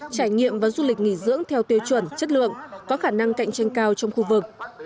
trải nghiệm và du lịch nghỉ dưỡng theo tiêu chuẩn chất lượng có khả năng cạnh tranh cao trong khu vực